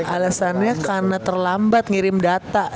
alasannya karena terlambat ngirim data